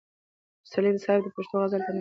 پسرلي صاحب د پښتو غزل ته نوې ساه ورکړه.